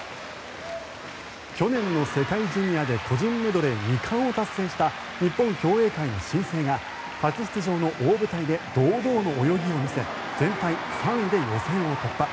去年の世界ジュニアで個人メドレー２冠を達成した日本競泳界の新星が初出場の大舞台で堂々の泳ぎを見せ全体３位で予選を突破。